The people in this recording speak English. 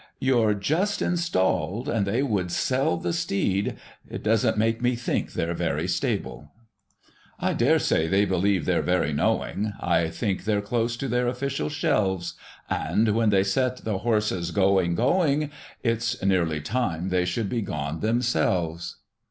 You're just installed, and they would sell the steed. It doesn't make me think they're very stable, VI. I daresay they believe they're very knowing, I think they're close to their official shelves : And, when they set the horses Going, going," It's nearly time they should be gone themselves.